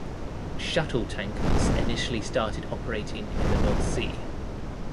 Shuttle tankers initially started operating in the North Sea.